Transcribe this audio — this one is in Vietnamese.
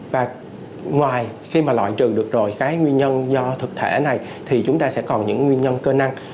và ngoài khi mà loại trừ được rồi cái nguyên nhân do thực thể này thì chúng ta sẽ còn những nguyên nhân cơ năng